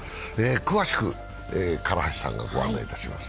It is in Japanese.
詳しく唐橋さんがご案内します。